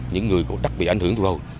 những người có đắc bị ảnh hưởng thu hầu